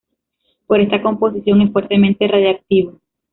Por esta composición es fuertemente radiactivo.